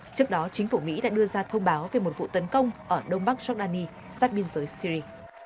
trước đó chính phủ mỹ đã đưa ra thông báo về một vụ tấn công ở đông bắc giordani giáp biên giới syri